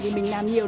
thì mình làm nhiều